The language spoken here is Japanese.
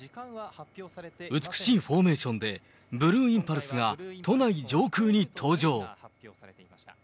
美しいフォーメーションで、ブルーインパルスが都内上空に登場。